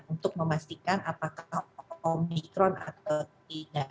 untuk memastikan apakah omikron atau tidak